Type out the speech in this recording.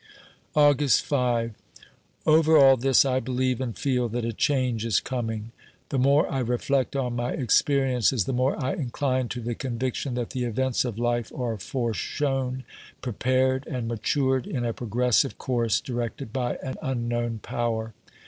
Augiist 5. Over all this I believe and feel that a change is coming. The more I reflect on my experiences, the more I incline to the conviction that the events of life are foreshown, prepared and matured in a progressive course directed by an unknown power.